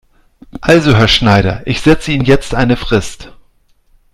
Also Herr Schneider, ich setze Ihnen jetzt eine Frist.